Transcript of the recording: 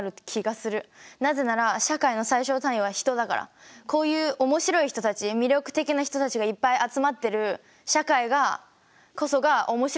なぜなら社会の最小単位は人だからこういう面白い人たち魅力的な人たちがいっぱい集まってる社会がこそが面白い社会で。